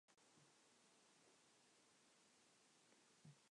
It is one of the three sections of the Oper Leipzig.